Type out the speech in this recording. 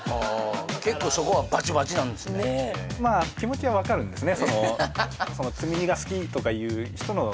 結構そこはまあ気持ちは分かるんですね